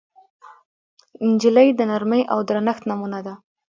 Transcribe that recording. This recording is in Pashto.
نجلۍ د نرمۍ او درنښت نمونه ده.